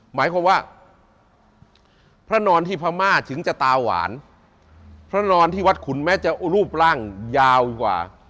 หมายความว่าพระนอนที่พม่าถึงจะตาหวานพระนอนที่วัดขุนแม้จะรูปร่างยาวกว่า